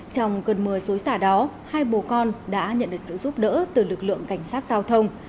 trong cơn mưa xối xả đó hai bố con đã nhận được sự giúp đỡ từ lực lượng cảnh sát giao thông